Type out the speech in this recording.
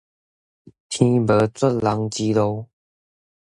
天無絕人之路